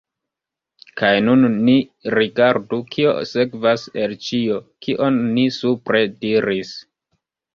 Kaj nun ni rigardu, kio sekvas el ĉio, kion ni supre diris.